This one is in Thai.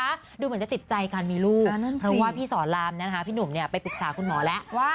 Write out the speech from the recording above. ดูเหมือนจะติดใจการมีลูกเพราะว่าพี่สอนรามนะคะพี่หนุ่มเนี่ยไปปรึกษาคุณหมอแล้วว่า